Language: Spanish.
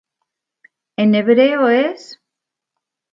En hebreo es עֲבֵד־נְגוֹ.